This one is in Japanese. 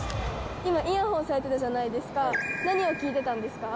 今イヤホンされてたじゃないですか？